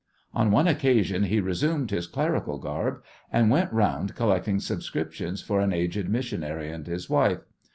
On one occasion he resumed his clerical garb, and went round collecting subscriptions for an aged missionary and his wife.